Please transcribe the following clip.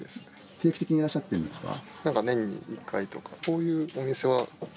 定期的にいらっしゃってるん年に１回とか。